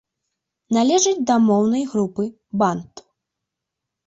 Належыць да моўнай групы банту.